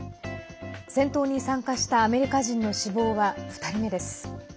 戦闘に参加したアメリカ人の死亡は２人目です。